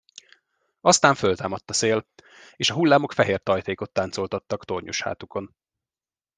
Aztán föltámadt a szél, és a hullámok fehér tajtékot táncoltattak tornyos hátukon.